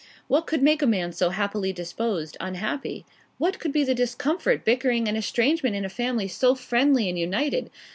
What could make a man so happily disposed, unhappy? What could cause discomfort, bickering, and estrangement in a family so friendly and united?